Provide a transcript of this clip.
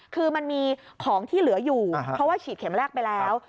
คือมันมีของที่เหลืออยู่เพราะว่าฉีดเข็มแรกไปแล้ว